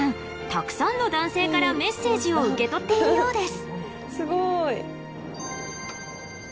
たくさんの男性からメッセージを受け取っているようです